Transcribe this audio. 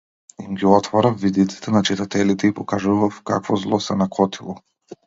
Им ги отворав видиците на читателите и покажував какво зло се накотило.